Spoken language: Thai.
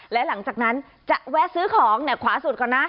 และหลังจากนั้นจะแวะซื้อของขวาสุดก่อนนะ